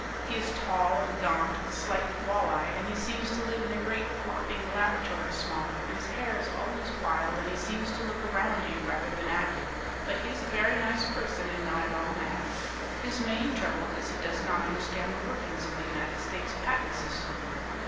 He is tall and gaunt and slightly wall eyed, and he seems to live in a great, flopping laboratory smock, and his hair is always wild, and he seems to look around you rather than at you, but he is a very nice person and not at all mad. His main trouble is he does not understand the workings of the United States Patent System.